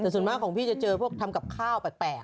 แต่ส่วนมากของพี่จะเจอพวกทำกับข้าวแปลก